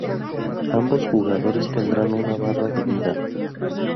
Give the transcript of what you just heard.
Ambos jugadores tendrán una barra de vida.